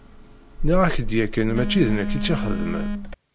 Nniɣ-ak-d yakan mačči d nekk i tt-ixedmen.